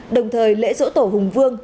đồng thời lễ dỗ tổ hùng vương